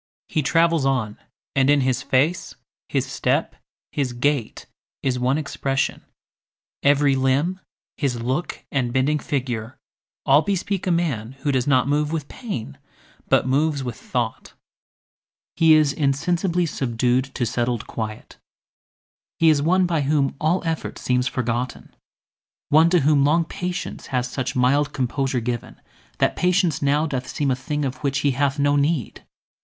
He travels on, and in his face, his step, His gait, is one expression; every limb, His look and bending figure, all bespeak A man who does not move with pain, but moves With thought—He is insensibly subdued To settled quiet: he is one by whom All effort seems forgotten, one to whom Long patience has such mild composure given, That patience now doth seem a thing, of which He hath no need.